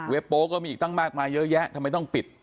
โป๊ก็มีอีกตั้งมากมายเยอะแยะทำไมต้องปิด